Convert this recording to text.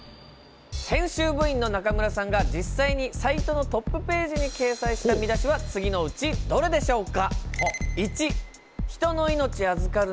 編集部員の中村さんが実際にサイトのトップページに掲載した見出しは次のうちどれでしょうか？